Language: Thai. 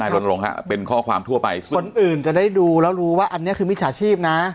ลนลงฮะเป็นข้อความทั่วไปส่วนคนอื่นจะได้ดูแล้วรู้ว่าอันนี้คือมิจฉาชีพนะ